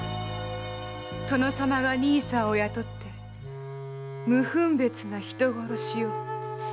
殿様が兄さんを雇って無分別な人殺しを。